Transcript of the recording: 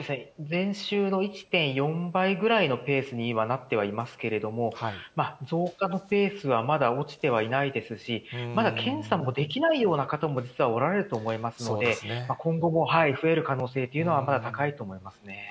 前週の１．４倍ぐらいのペースに今、なってはいますけれども、増加のペースはまだ落ちてはいないですし、また検査もできないような方も実はおられると思いますので、今後も増える可能性というのはまだ高いと思いますね。